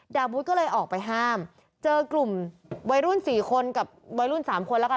ดาวุฒิก็เลยออกไปห้ามเจอกลุ่มวัยรุ่น๔คนกับวัยรุ่น๓คนแล้วกัน